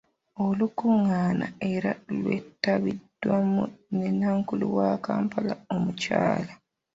Olukungaana era lwetabiddwamu ne Nankulu wa Kampala, Omukyala.